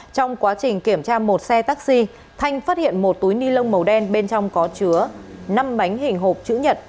trong quá trình kiểm tra một xe taxi thanh phát hiện một túi ni lông màu đen bên trong có chứa năm bánh hình hộp chữ nhật